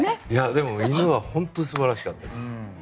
でも犬は本当に素晴らしかったです。